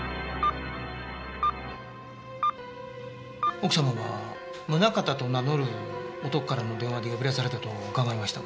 奥様は宗形と名乗る男からの電話で呼び出されたと伺いましたが。